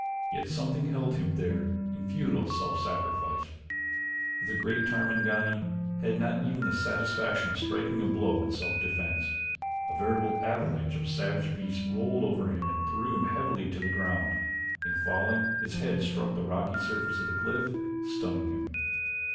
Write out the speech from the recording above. Yet something held him there in futile self sacrifice. The great Tarmangani had not even the satisfaction of striking a blow in self defense. A veritable avalanche of savage beasts rolled over him and threw him heavily to the ground. In falling his head struck the rocky surface of the cliff, stunning him.